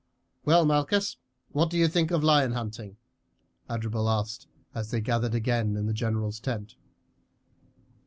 "Well, Malchus, what do you think of lion hunting?" Adherbal asked as they gathered again in the general's tent.